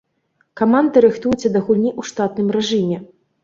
Каманда рыхтуецца да гульні ў штатным рэжыме.